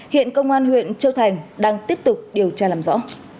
hiện công an huyện châu thành đang tiếp tục điều tra làm rõ